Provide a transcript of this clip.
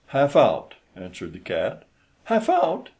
"Half out," answered the cat. "_Half out!